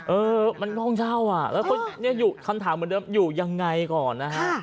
เออมันห้องเช่าอ่ะแล้วก็เนี่ยคำถามเหมือนเดิมอยู่ยังไงก่อนนะฮะ